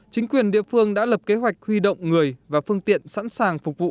chính quyền địa phương đã lập kế hoạch huy động người và phương tiện sẵn sàng phục vụ